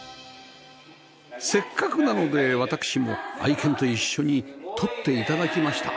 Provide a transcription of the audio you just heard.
せっかくなので私も愛犬と一緒に撮って頂きました